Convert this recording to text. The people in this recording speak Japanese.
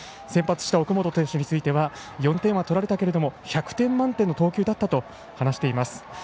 先発した奥本投手については４点は取られたけれども１００点満点の投球だったと話しています。